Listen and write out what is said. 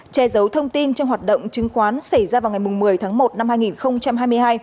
che giấu thông tin trong hoạt động chứng khoán xảy ra vào ngày một mươi tháng một năm hai nghìn hai mươi hai